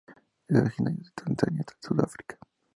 Es originario de Tanzania hasta Sudáfrica.